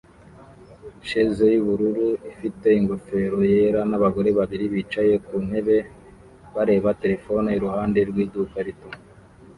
sheze yubururu ifite ingofero yera nabagore babiri bicaye ku ntebe bareba terefone iruhande rw iduka rito